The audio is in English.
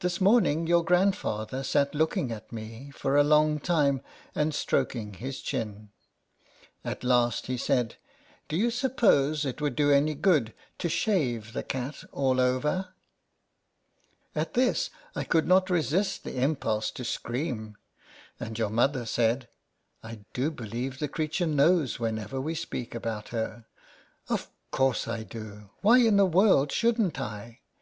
This morning your grandfather sat look ing at me for a long time and strok ing his chin : at last he said, " Do you suppose it would do any good to shave the cat all over ?" At this I could not resist the impulse to scream, and your mother said, " I do believe the creature knows when ever we speak about her." Of course I do ! Why in the world shouldn't I